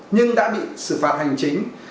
nhưng đã bị xử phạt hành chính